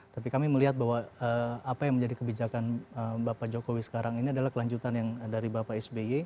tapi kami melihat bahwa apa yang menjadi kebijakan bapak jokowi sekarang ini adalah kelanjutan yang dari bapak sby